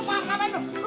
lgpajan maharni guu tient